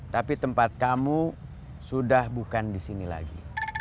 tapi tempat kamu sudah bukan di sini lagi